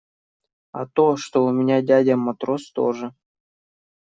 А то, что у меня дядя матрос тоже.